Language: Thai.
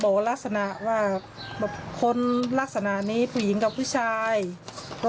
สองสามีภรรยาคู่นี้มีอาชีพ